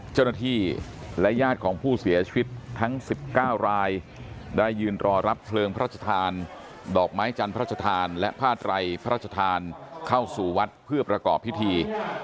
เจ้าหน้าที่และญาติของผู้เสียชีวิตทั้ง๑๙รายได้ยืนรอรับเพลิงพระราชทานดอกไม้จันทร์พระชธานและผ้าไตรพระราชทานเข้าสู่วัดเพื่อประกอบพิธี